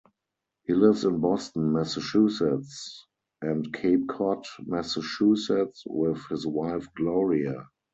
He lives in Boston, Massachusetts and Cape Cod, Massachusetts with his wife Gloria.